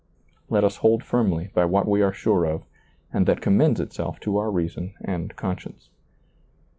Let us hold firmly by what we are sure of and that commends itself to our reason and conscience.